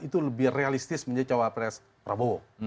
itu lebih realistis menjadi cawapres prabowo